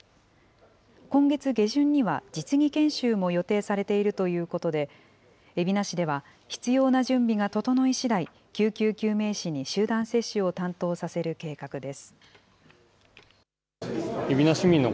今月下旬には実技研修も予定されているということで、海老名市では、必要な準備が整いしだい、救急救命士に集団接種を担当させる計画です。